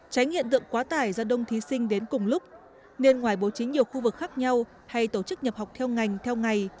tránh hiện tượng quá tải do đông thí sinh đến cùng lúc nên ngoài bố trí nhiều khu vực khác nhau hay tổ chức nhập học theo ngành theo ngày